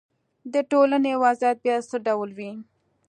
د ټولنې وضعیت باید څه ډول وي.